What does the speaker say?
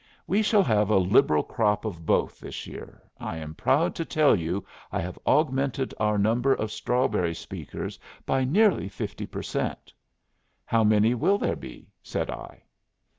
We shall have a liberal crop of both this year. I am proud to tell you I have augmented our number of strawberry speakers by nearly fifty per cent." "How many will there be?" said I.